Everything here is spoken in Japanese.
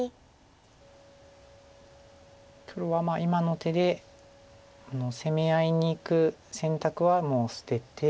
黒は今の手で攻め合いにいく選択はもう捨てて。